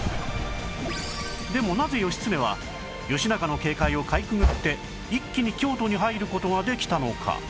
でもなぜ義経は義仲の警戒をかいくぐって一気に京都に入る事ができたのか？